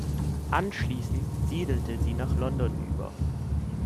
Anschließend siedelte sie nach London über.